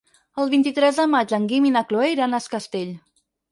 El vint-i-tres de maig en Guim i na Cloè iran a Es Castell.